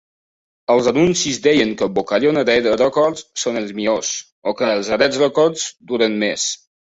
Els anuncis deien que "Vocalion Red Records són els millors" o que "els Red Records duren més".